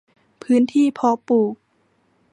พื้นที่เพาะปลูก